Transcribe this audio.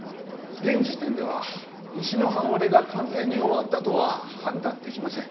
現時点では西の半割れが完全に終わったとは判断できません。